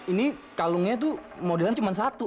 ini kalungnya itu modelnya cuma satu